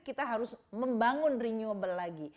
kita harus membangun renewable lagi